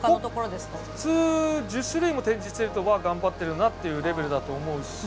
普通１０種類も展示してるとまあ頑張ってるなっていうレベルだと思うし。